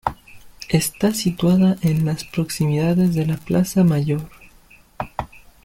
Está situada en las proximidades de la plaza mayor.